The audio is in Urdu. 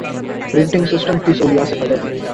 پریٹنگ سسٹمز کی سہولیات سے فائدہ اٹھائیں